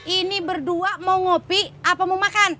ini berdua mau ngopi apa mau makan